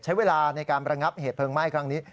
ใช้เวลาในการประงับเหตุเพลิงไหม้ครั้งนี้